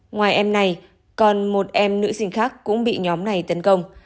ngoài em này còn một em nữ sinh khác cũng bị nhóm này tấn công